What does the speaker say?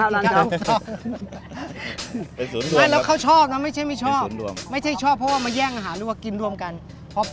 ลูกค้าชอบเสียงดีครับ